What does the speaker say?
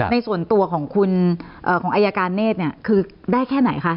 ในส่วนตัวของอายาการเนธคือได้แค่ไหนคะ